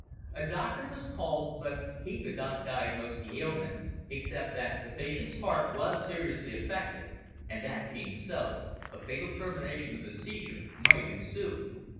A doctor was called, but he could not diagnose the ailment, except that the patient's heart was seriously affected and, that being so, a fatal termination of the seizure might ensue.